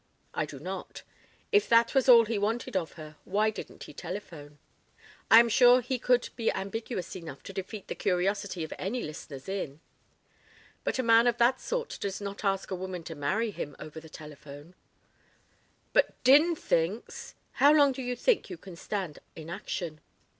"I do not. If that was all he wanted of her, why didn't he telephone? I am sure he could be ambiguous enough to defeat the curiosity of any listeners in. But a man of that sort does not ask a woman to marry him over the telephone " "But Din thinks " "How long do you think you can stand inaction?"